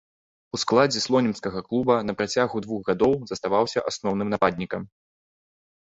У складзе слонімскага клуба на працягу двух гадоў заставаўся асноўным нападнікам.